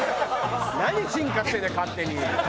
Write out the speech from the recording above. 何進化してんだよ勝手に。